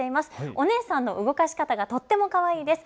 お姉さんの動かし方がとってもかわいいです。